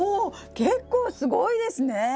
結構すごいですね！